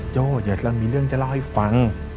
โจ้เดี๋ยวมีเรื่องจะเล่าให้ฟัง